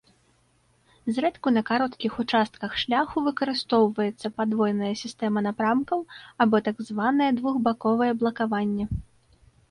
Зрэдку на кароткіх участках шляху выкарыстоўваецца падвойная сістэма напрамкаў або так званае двухбаковае блакаванне.